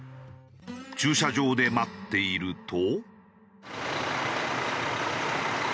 駐車場で待っていると。